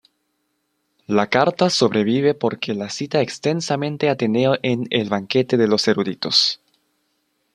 La carta sobrevive porque la cita extensamente Ateneo en el "Banquete de los eruditos".